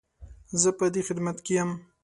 زه به دې خدمت کې يم